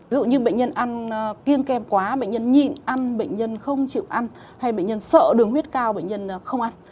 ví dụ như bệnh nhân ăn kiêng kem quá bệnh nhân nhịn ăn bệnh nhân không chịu ăn hay bệnh nhân sợ đường huyết cao bệnh nhân không ăn